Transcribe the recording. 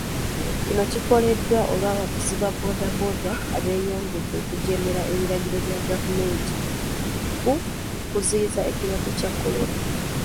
Kino kikoleddwa olw'abavuzi ba bbooda bbooda abeeyongedde okujeemera ebiragiro bya gavumenti ku kuziyiza ekirwadde kya Kolona.